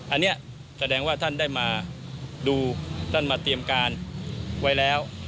อันนี้แสดงว่าท่านได้มาดูท่านมาเตรียมการไว้แล้ว